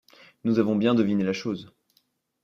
nous avons bien deviné la chose.